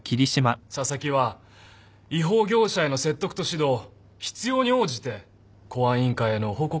紗崎は違法業者への説得と指導必要に応じて公安委員会への報告をしているだけです。